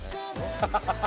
ハハハハ！